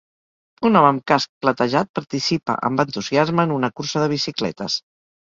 Un home amb casc platejat participa amb entusiasme en una cursa de bicicletes.